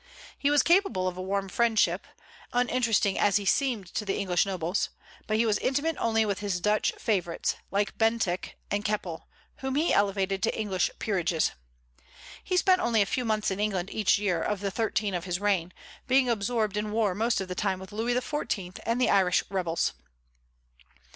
He was capable of warm friendships, uninteresting as he seemed to the English nobles; but he was intimate only with his Dutch favorites, like Bentinck and Keppel, whom he elevated to English peerages. He spent only a few months in England each year of the thirteen of his reign, being absorbed in war most of the time with Louis XIV. and the Irish rebels.